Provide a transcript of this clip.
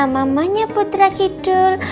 mamanya putra kidul